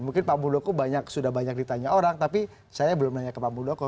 mungkin pak muldoko sudah banyak ditanya orang tapi saya belum nanya ke pak muldoko